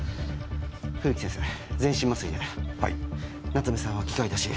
冬木先生全身麻酔ではい夏梅さんは器械出し